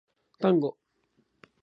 タンゴ